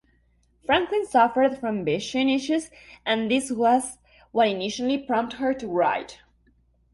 Franklin suffered from vision issues and this was what initially prompted her to write.